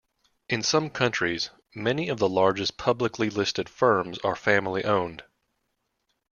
In some countries, many of the largest publicly listed firms are family-owned.